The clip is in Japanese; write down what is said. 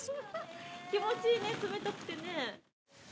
気持ちいいね冷たくてね。